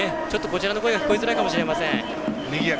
こちらの声が聞こえづらいかもしれません。